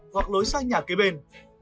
hoặc lối sang nhà kế bên